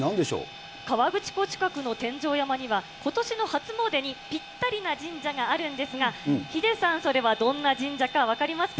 河口湖近くの天上山には、今年の初詣にぴったりな神社があるんですが、ヒデさん、それはどんな神社か分かりますか。